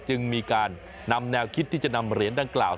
จึงมีการนำแนวคิดที่จะนำเหรียญดังกล่าว